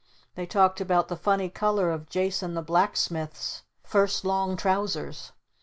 They talked about the funny color of Jason the Blacksmith's first long trousers.